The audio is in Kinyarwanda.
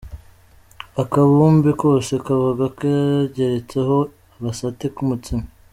Akabumbe kose kabaga kageretseho agasate k’umutsima.